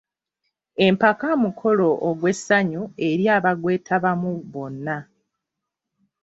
Empaka mukolo ogw'essanyu eri abagwetabamu bonna.